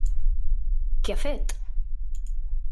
Què ha fet?